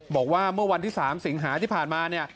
บอกว่าเมื่อวันที่๓สิงหาที่ผ่านมาเนี่ย